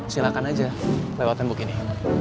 silakan aja lewat tembok ini